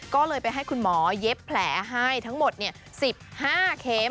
ก็เลยไปให้คุณหมอเย็บแผลให้ทั้งหมด๑๕เข็ม